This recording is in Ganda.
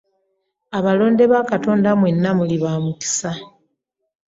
Abalonde ba Katonda mwenna muli ba mukisa.